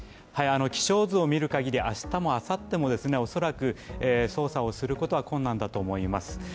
気象図を見るかぎり、明日、あさっても恐らく捜索をすることは困難だと思います。